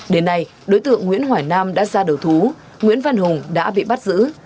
đến nay đối tượng nguyễn hỏi nam đã ra đầu thú nguyễn văn hùng đã bị bắt giữ